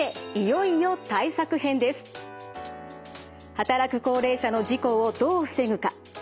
働く高齢者の事故をどう防ぐか。